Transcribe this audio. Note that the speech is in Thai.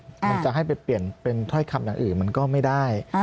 มันจะให้ไปเปลี่ยนเป็นถ้อยคำอย่างอื่นมันก็ไม่ได้